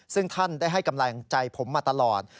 ซึ่งท่านได้ให้กำลังใจผมมาตลอด